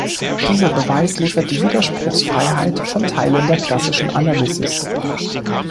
Dieser Beweis liefert die Widerspruchsfreiheit von Teilen der klassischen Analysis.